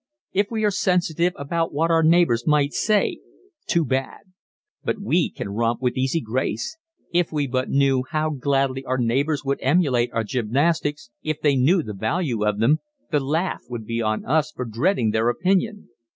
If we are sensitive about what our neighbors might say too bad! But we can romp with easy grace. If we but knew how gladly our neighbors would emulate our gymnastics if they knew the value of them the laugh would be on us for dreading their opinion.